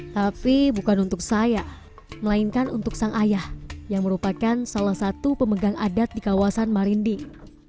tapi bukan untuk saya melainkan untuk sang ayah yang merupakan salah satu pemegang adat di kawasan marinding